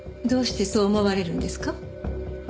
どうしてそう思われるんですか？